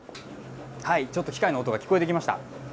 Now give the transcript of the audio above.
ちょっと機械の音が聞こえてきました。